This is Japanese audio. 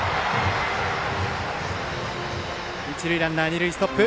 一塁ランナーは二塁でストップ。